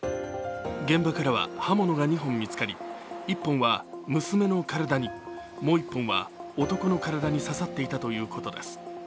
現場からは刃物が２本見つかり、１本は娘の体にもう１本は男の体に刺さっていたということです。